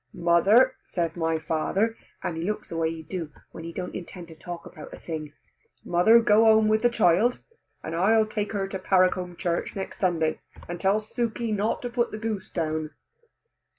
"Mother," says my father, and he looked the way he do when he don't intend to talk about a thing, "Mother, go home with the child, and I'll take her to Parracombe Church next Sunday: and tell Suke not to put the goose down."